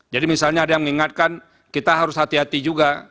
jadi misalnya ada yang mengingatkan kita harus hati hati juga